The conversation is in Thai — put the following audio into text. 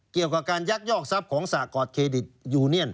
เกี่ยวกับการยักยอกทรัพย์ของสากรเครดิตยูเนียน